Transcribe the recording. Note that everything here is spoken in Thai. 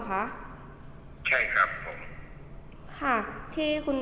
คุณพ่อได้จดหมายมาที่บ้าน